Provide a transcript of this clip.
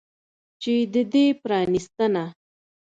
چې د دې پرانستنه